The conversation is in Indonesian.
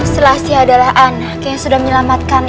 selasi adalah anak yang sudah menyelamatkan ibu